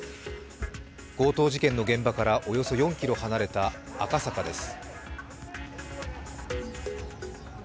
強盗事件の現場からおよそ４ｋｍ離れた赤坂です。